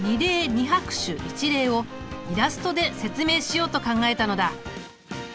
二拍手一礼をイラストで説明しようと考えたのだ。